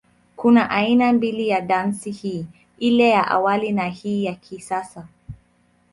Kuna aina mbili ya dansi hii, ile ya awali na ya hii ya kisasa.